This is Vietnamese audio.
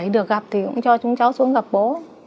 được gặp thì cũng cho chúng cháu xuống gặp bố